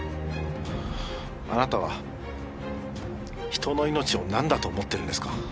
あなたは人の命をなんだと思ってるんですか。